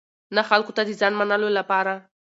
نه خلکو ته د ځان منلو لپاره.